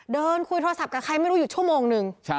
เดินคุยโทรศัพท์กับใครไม่รู้อยู่ชั่วโมงนึง